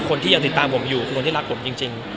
คนที่ยังติดตามผมอยู่คือคนที่รักผมจริง